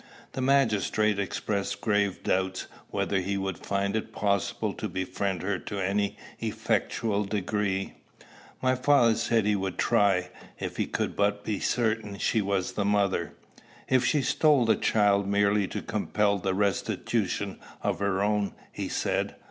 The magistrate expressed grave doubts whether he would find it possible to befriend her to any effectual degree. My father said he would try, if he could but be certain she was the mother. "If she stole the child merely to compel the restitution of her own," he said.